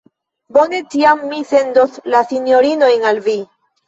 Bone, tiam mi sendos la sinjorinojn al vi.